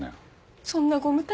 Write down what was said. そんなご無体な。